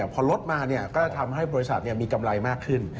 พอลดมาก็จะทำให้บริษัทมีกำไรมากขึ้น